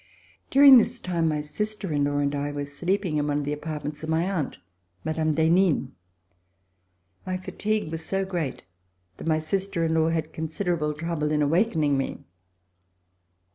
During this time my sister in law and I were sleep ing in one of the apartments of my aunt, Mme. d'Henin. My fatigue was so great that my sister in law had considerable trouble in awakening me.